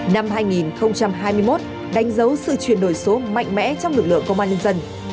năm hai nghìn hai mươi một đánh dấu sự chuyển đổi số mạnh mẽ trong lực lượng công an nhân dân